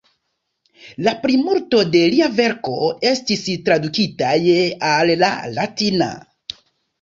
La plimulto de lia verko estis tradukitaj al la latina.